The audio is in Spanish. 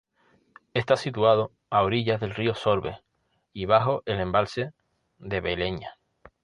Está situado a orillas del río Sorbe y bajo el embalse de Beleña.